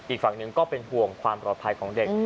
อีกฝั่งหนึ่งก็เป็นห่วงความปลอดภัยของเด็ก